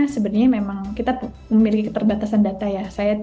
sebenarnya memang kita memiliki keterbatasan data ya